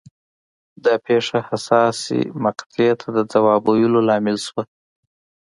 دا پېښه حساسې مقطعې ته د ځواب ویلو لامل شوه.